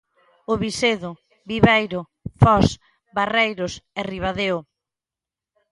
O Vicedo, Viveiro, Foz, Barreiros e Ribadeo.